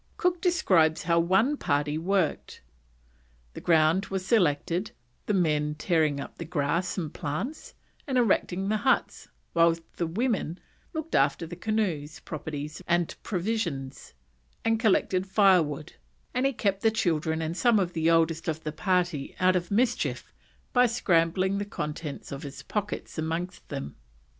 Cook describes how one party worked. The ground was selected, the men tearing up the grass and plants, and erected the huts, whilst the women looked after the canoes, properties, and provisions, and collected firewood; and he kept the children and some of the oldest of the party out of mischief by scrambling the contents of his pockets amongst them.